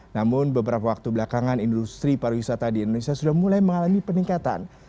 namun beberapa waktu belakangan industri pariwisata di indonesia sudah mulai mengalami peningkatan